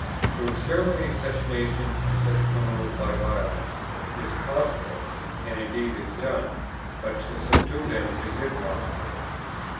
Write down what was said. To exterminate such nations and such criminals by violence is possible, and indeed is done, but to subdue them is impossible.